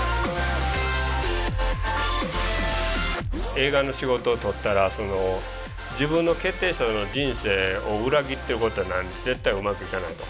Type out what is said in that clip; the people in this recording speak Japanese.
映画の仕事を取ったら自分の決定した人生を裏切ってることになるんで絶対うまくいかないと。